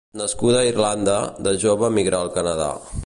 Nascuda a Irlanda, de jove emigrà al Canadà.